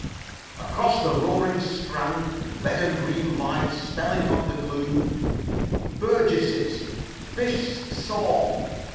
"Across the roaring Strand red and green lights spelling on the gloom. 'BURGESS'S FISH SAU.